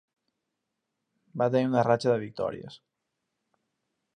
Va tenir una ratxa de victòries.